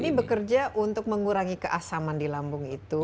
ini bekerja untuk mengurangi keasaman di lambung itu